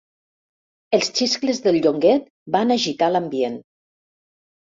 Els xiscles del Llonguet van agitar l'ambient.